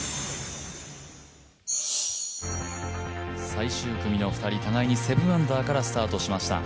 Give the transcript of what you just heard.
最終組の２人、互いに７アンダーからスタートしました。